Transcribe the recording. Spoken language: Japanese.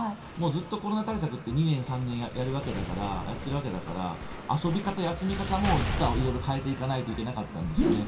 ずっとコロナ対策って２年、３年やってるわけだから遊び方、休み方も実は色々変えていかないといけなかったんでしょうね。